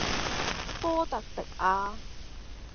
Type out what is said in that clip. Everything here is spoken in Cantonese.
科特迪瓦